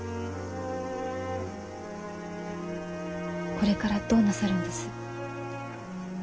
これからどうなさるんです？